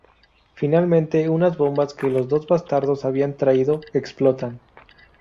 Finalmente, unas bombas que los dos "Bastardos" habían traído explotan.